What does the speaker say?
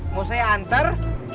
mau saya hantar